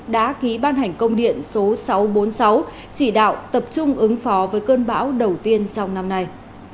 đã ký ban hành công điện số sáu trăm bốn mươi sáu chỉ đạo tập trung ứng phó với cơn bão đầu tiên trong năm nay